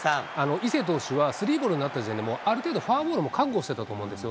伊勢投手は、スリーボールになった時点で、ある程度フォアボールも覚悟してたと思うんですよ。